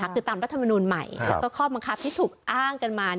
คือตามรัฐมนูลใหม่แล้วก็ข้อบังคับที่ถูกอ้างกันมา